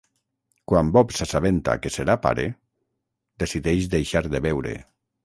Quan Bob s'assabenta que serà pare, decideix deixar de beure.